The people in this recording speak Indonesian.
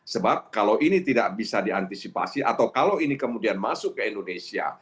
sebab kalau ini tidak bisa diantisipasi atau kalau ini kemudian masuk ke indonesia